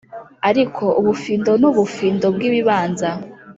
ariko ubufindo nubufindo - bwibibanza.